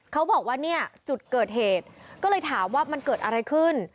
เขาบอกว่าเนี่ยจุดเกิดเหตุก็เลยถามว่ามันเกิดอะไรขึ้น